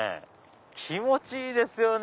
気持ちいいですよね！